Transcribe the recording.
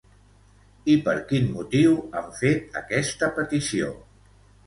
I per quin motiu han fet aquesta petició?